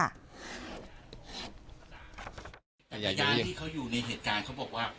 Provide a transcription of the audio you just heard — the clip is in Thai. แต่ยายที่เขาอยู่ในเหตุการณ์เขาบอกว่า